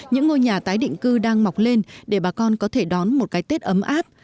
những ngôi nhà tái định cư đang mọc lên để bà con có thể đón một cái tết ấm áp